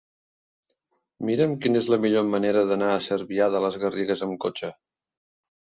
Mira'm quina és la millor manera d'anar a Cervià de les Garrigues amb cotxe.